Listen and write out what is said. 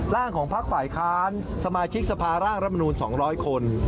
ร่างของภาคฝ่ายค้านสมาชิกสภาร่างรัฐธรรมนูญ๒๐๐คน